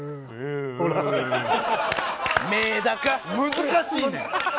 難しいねん。